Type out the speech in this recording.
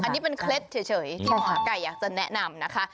อันนี้เป็นเคล็ดเฉยที่หมอไก่อยากจะแนะนำนะคะ